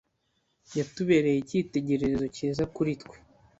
Yatubereye icyitegererezo cyiza kuri twe.